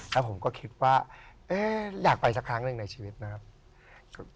แล้วผมก็คิดว่าอยากไปสักครั้งหนึ่งในชีวิตนะครับ